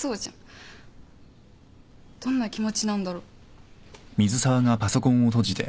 どんな気持ちなんだろ。